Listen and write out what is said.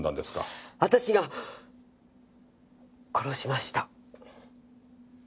私が殺しました。